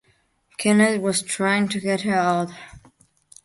Kenneth was trying to get her out.